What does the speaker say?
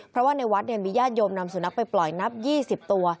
เพราะว่าในวัดมีญาติโยมนำสุนัขไปปล่อยนับ๒๐ตัว